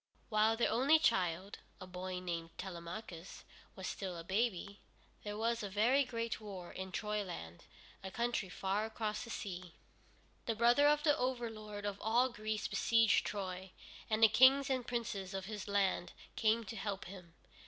While their only child, a boy named Telemachus, was still a baby, there was a very great war in Troyland, a country far across the sea. The brother of the overlord of all Greece beseiged Troy, and the kings and princes of his land came to help him.